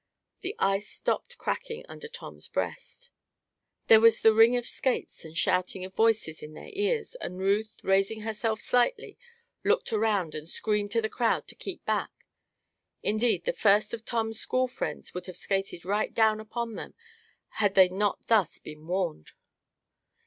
The ice stopped cracking under Tom's breast. There was the ring of skates and shouting of voices in their ears, and Ruth, raising herself slightly, looked around and screamed to the crowd to keep back. Indeed, the first of Tom's school friends would have skated right down upon them had they not thus been warned.